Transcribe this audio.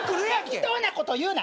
適当なこと言うな。